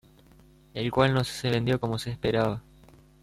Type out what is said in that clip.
El cual no se vendió como se esperaba.